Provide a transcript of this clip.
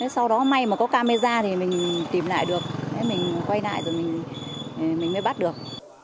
sau đó may mà có camera thì mình tìm lại được mình quay lại rồi mình mới bắt được